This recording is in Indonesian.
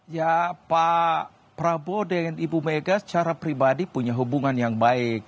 ya pak prabowo dengan ibu mega secara pribadi punya hubungan yang baik